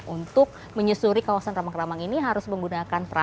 untuk menyusuri kawasan ramang ramang saya akan menemukan kawasan ramang ramang